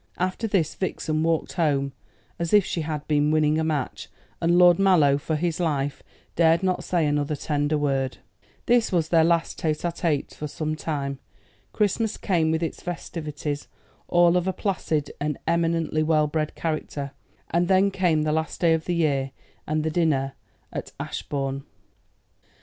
After this Vixen walked home as if she had been winning a match, and Lord Mallow, for his life, dared not say another tender word. This was their last tête à tête for some time. Christmas came with its festivities, all of a placid and eminently well bred character, and then came the last day of the year and the dinner at Ashbourne.